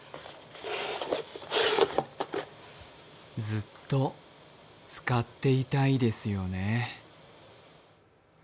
ずっと使っていたいですよね。